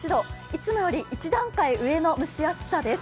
いつもより一段階上の蒸し暑さです。